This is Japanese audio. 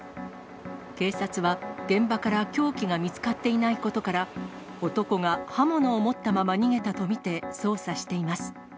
警察は、現場から凶器が見つかっていないことから、男が刃物を持ったまま逃げたと見て捜査しています。